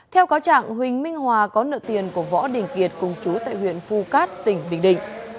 theo cáo trạng huỳnh minh hòa có nợ tiền của võ đình kiệt cùng chú tại huyện phu cát tỉnh bình định